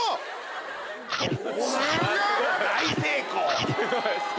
大成功。